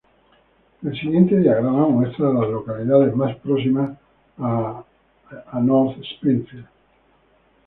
El siguiente diagrama muestra a las localidades más próximas a North Springfield.